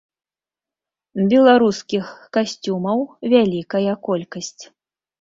Беларускіх касцюмаў вялікая колькасць.